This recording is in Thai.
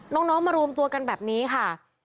น้องมารวมตัวกันแบบนี้ค่ะ